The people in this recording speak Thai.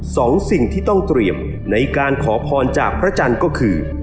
สองสิ่งที่ต้องเตรียมในการขอพรจากพระจันทร์ก็คือ